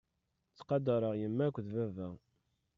Ttqadareɣ yemma akked baba.